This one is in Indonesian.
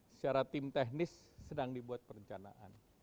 secara tim teknis sedang dibuat perencanaan